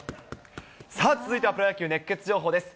さあ、続いてはプロ野球熱ケツ情報です。